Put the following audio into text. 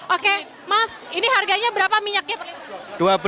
oke mas ini harganya berapa minyaknya